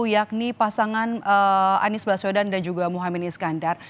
yakni pasangan anies baswedan dan juga muhaymin iskandar